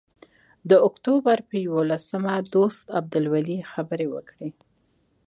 د اکتوبر پر یوولسمه دوست عبدالولي خبرې وکړې.